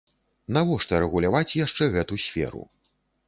Навошта рэгуляваць яшчэ гэту сферу?